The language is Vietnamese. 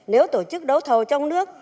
nếu tổ chức đấu thầu trong nước